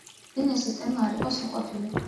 ლინეს სისტემა არ იყო სრულყოფილი.